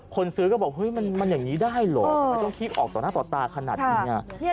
คนซื้อก็บอกเฮ้ยมันอย่างนี้ได้เหรอทำไมต้องคิดออกต่อหน้าต่อตาขนาดนี้